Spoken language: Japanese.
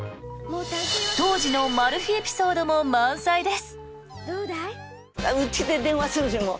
当時のマル秘エピソードも満載です。